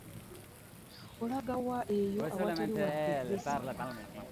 Olaga wa eyo ewatali wadde eggezi?